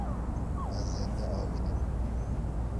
Ez ê neavînim.